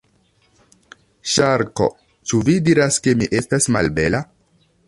Ŝarko: "Ĉu vi diras ke mi estas malbela?"